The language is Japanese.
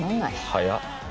早っ。